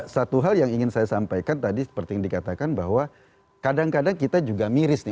satu hal yang ingin saya sampaikan tadi seperti yang dikatakan bahwa kadang kadang kita juga miris nih